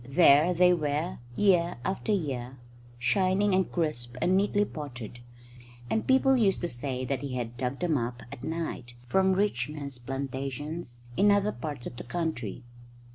There they were, year after year, shining and crisp and neatly potted; and people used to say that he had dug them up at night from rich men's plantations in other parts of the country.